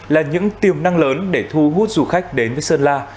là những tiềm năng lớn để thu hút du khách đến với sơn la